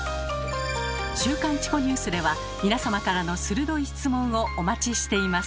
「週刊チコニュース」では皆様からの鋭い質問をお待ちしています。